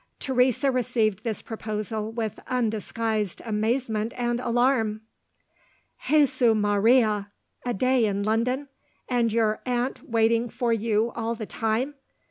Teresa received this proposal with undisguised amazement and alarm, "Jesu Maria! a day in London and your aunt waiting for you all the time!